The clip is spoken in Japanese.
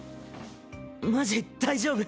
マジ大丈夫。